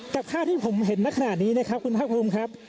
กับข้าวที่ผมเห็นนะขนาดนี้นะครับคุณภาคภูมิครับ